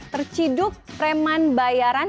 terciduk preman bayaran